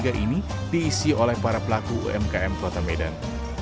kembali di rumah berada di kota medan